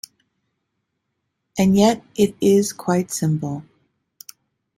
And yet it is quite simple.